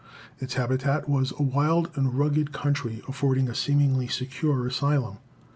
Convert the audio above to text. Its habitat was a wild and rugged country, affording a seemingly secure asylum.